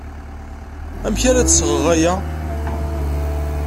Amek ara d-sɣeɣ aya?